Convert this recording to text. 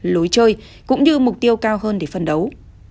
lối chơi cũng như mục tiêu cao hơn để phân đấu